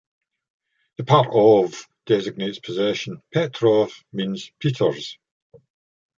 The part "ov" designates possession: "Petrov" means "Peter's".